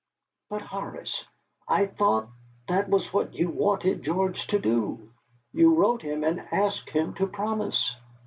"But, Horace, I thought that was what you wanted George to do. You wrote to him and asked him to promise."